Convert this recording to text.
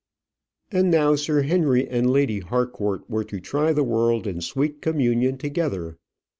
And now Sir Henry and Lady Harcourt were to try the world in sweet communion together.